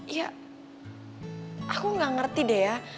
ya aku gak ngerti deh ya